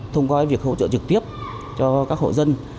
thông qua việc hỗ trợ trực tiếp cho các hộ dân